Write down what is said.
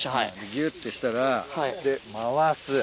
ギュってしたらで回す。